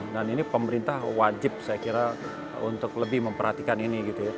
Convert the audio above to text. dan ini pemerintah wajib saya kira untuk lebih memperhatikan ini